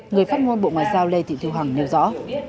người phát ngôn bộ ngoại giao lê thị thu hằng nêu rõ